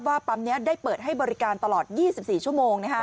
ว่าปั๊มเนี้ยได้เปิดให้บริการตลอดยี่สิบสี่ชั่วโมงนะฮะ